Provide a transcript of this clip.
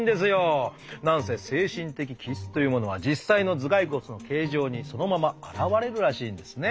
なんせ精神的気質というものは実際の頭蓋骨の形状にそのまま現れるらしいんですね。